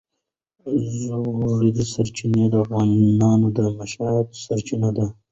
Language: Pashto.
ژورې سرچینې د افغانانو د معیشت سرچینه ده.